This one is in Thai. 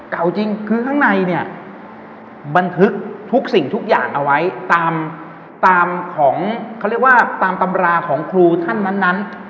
เก่าจริงคือข้างในเนี่ยบันทึกทุกสิ่งทุกอย่างเอาไว้ตามตำราของครูท่านนั้น